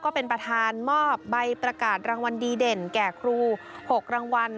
ก็เป็นประธานมอบใบประกาศรางวัลดีเด่นแก่ครู๖รางวัล